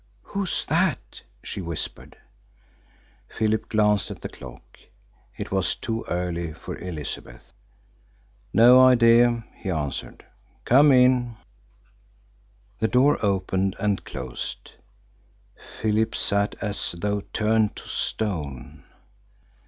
"Who's that?" she whispered. Philip glanced at the clock. It was too early for Elizabeth. "No idea," he answered. "Come in." The door opened and closed. Philip sat as though turned to stone.